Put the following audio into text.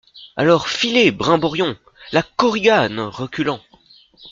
Alors, filez, brimborion ! LA KORIGANE, reculant.